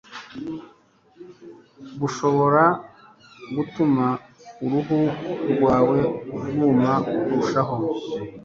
bushobora gutuma uruhu rwawe rwuma kurushaho.